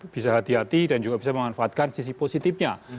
bisa hati hati dan juga bisa memanfaatkan sisi positifnya